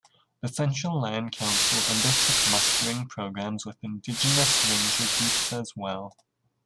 The Central Land Council undertook mustering programs with Indigenous ranger groups as well.